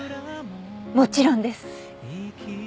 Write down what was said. もちろんです。